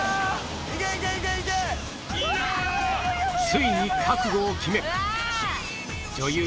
ついに覚悟を決め女優